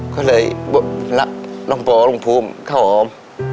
ก็เลยรักน้องปอลุงภูมิข้าวหอม